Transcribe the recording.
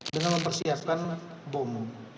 dengan mempersiapkan bom